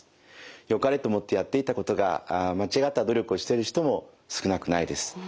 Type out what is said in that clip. よかれと思ってやっていたことが間違った努力をしている人も少なくないです。